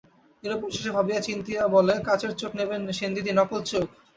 নিরুপায় শশী ভাবিয়া চিন্তিয়া বলে, কাচের চোখ নেবেন সেনদিদি, নকল চোখ?